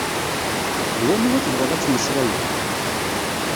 D waniwa tebɣiḍ ad temmeslayeḍ?